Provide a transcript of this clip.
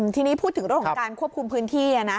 ทีนี้พูดถึงเรื่องของการควบคุมพื้นที่